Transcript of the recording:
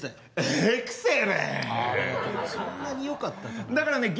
そんなによかったかな？